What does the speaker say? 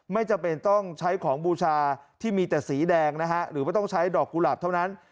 ไม่จำเป็นต้องใช้ของบูชาที่มีแต่สีแดงนะฮะหรือว่าต้องใช้ดอกกุหลาบเท่านั้น